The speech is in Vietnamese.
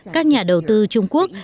các nhà đầu tư trung quốc